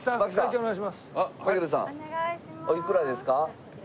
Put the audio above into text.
おいくらですか？